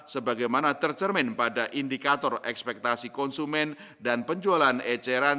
sebagaimana tercermin pada indikator ekspektasi konsumen dan penjualan eceran